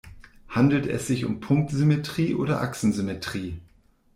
Handelt es sich um Punktsymmetrie oder Achsensymmetrie?